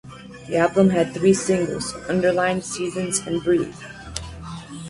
The album had three singles: "Underlined", "Seasons", and "Breathe.